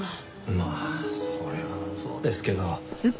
まあそれはそうですけど。